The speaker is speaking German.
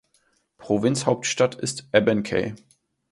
Provinzhauptstadt ist Abancay.